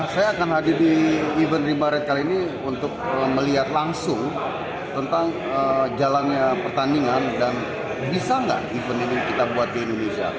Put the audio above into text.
saya akan hadir di event reba rate kali ini untuk melihat langsung tentang jalannya pertandingan dan bisa nggak event ini kita buat di indonesia